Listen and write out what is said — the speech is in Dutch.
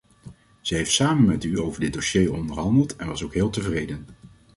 Zij heeft samen met u over dit dossier onderhandeld, en was ook heel tevreden.